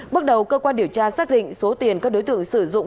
bước đầu cơ quan điều tra xác định số tiền các đối tượng sử dụng